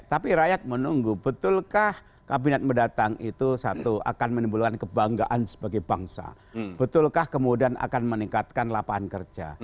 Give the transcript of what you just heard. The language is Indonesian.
tapi rakyat menunggu betulkah kabinet mendatang itu satu akan menimbulkan kebanggaan sebagai bangsa betulkah kemudian akan meningkatkan lapangan kerja